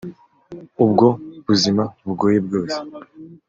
Ubwo buzima bugoye bwose